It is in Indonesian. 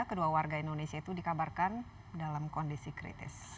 kedua warga indonesia itu dikabarkan dalam kondisi kritis